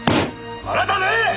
あなたね！